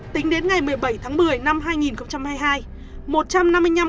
tính đến ngày một mươi bảy tháng một mươi năm hai nghìn hai mươi hai